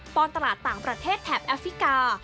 ตอนตลาดต่างประเทศแถบแอฟริกา